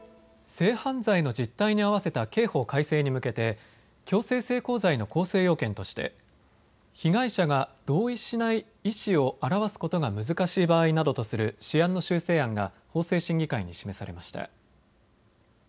性犯罪の実態に合わせた刑法改正に向けて強制性交罪の構成要件として被害者が同意しない意思を表すことが難しい場合などとする試案の修正案が法制審議会に示されました。